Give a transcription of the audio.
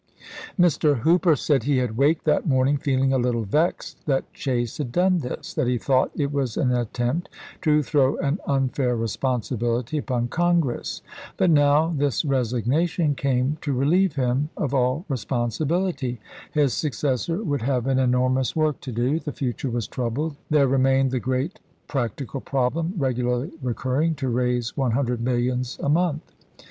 Mr. Hooper said he had waked that morning feeling a little vexed that Chase had done this, that he thought it was an attempt to throw an unfair responsibility upon Congress ; but now this resignation came to relieve him of all responsibility ; his successor would have an enormous work to do ; the future was troubled ; there remained the great practical problem, regularly recurring, to raise one hundred millions a month.